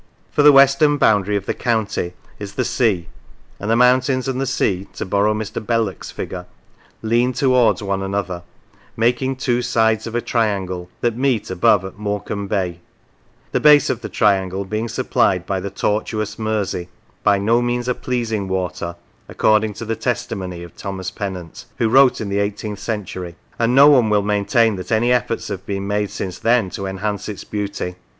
For the western boundary of the county is the sea, and the mountains and the sea (to borrow Mr. Belloc's figure) " lean towards one another, making two sides of a triangle, that meet above at Morecambe Bay," the base of the triangle being supplied by the tortuous Mersey, " by no means a pleasing water," according to the testimony of Thomas Pennant, who wrote in the eighteenth century; and no one will maintain that any efforts have been made since then to enhance its beauty.